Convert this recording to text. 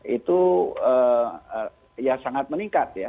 itu ya sangat meningkat ya